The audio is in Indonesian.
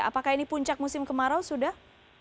apakah ini puncak musim kemarau sudah